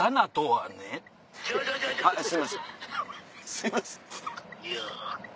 すいません。